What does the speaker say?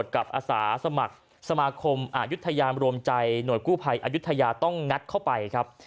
อาสาสมัครสมาคมอายุทยามรวมใจหน่วยกู้ภัยอายุทยาต้องงัดเข้าไปครับ